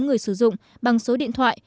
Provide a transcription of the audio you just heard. người sử dụng bằng số điện thoại